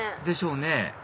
でしょうね